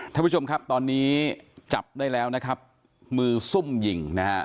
ท่านผู้ชมครับตอนนี้จับได้แล้วนะครับมือซุ่มยิงนะฮะ